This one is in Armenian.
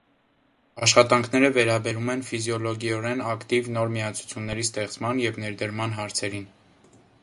Աշխատանքները վերաբերում են ֆիզիոլոգիորեն ակտիվ նոր միացությունների ստեղծման և ներդրման հարցերին։